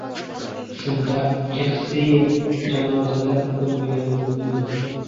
Shunda, Rixsiyev janozada bo‘lmaganini bildim.